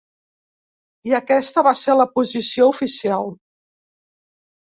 I aquesta va ser la posició oficial.